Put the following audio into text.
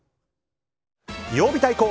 曜日対抗！